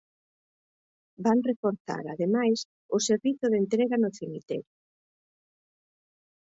Van reforzar ademais o servizo de entrega no cemiterio.